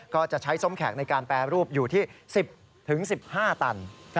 ก็จะใช้ส้มแขกในการแปรรูปอยู่ที่๑๐๑๕ตัน